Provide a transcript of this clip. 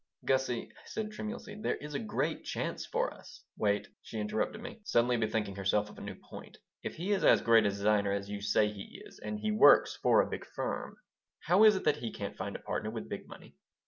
"Gussie " I said, tremulously, "there is a great chance for us " "Wait," she interrupted me, suddenly bethinking herself of a new point. "If he is as great a designer as you say he is, and he works for a big firm, how is it, then, that he can't find a partner with big money?"